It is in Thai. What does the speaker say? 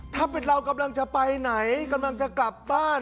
ถ้าเรากำลังจะไปไหนกำลังจะกลับบ้าน